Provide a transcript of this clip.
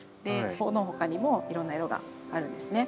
この他にもいろんな色があるんですね。